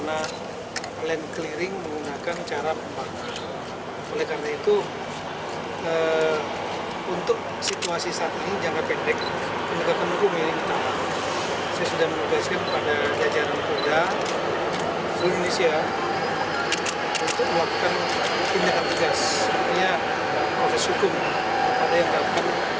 artinya proses hukum pada yang dapat pembakaran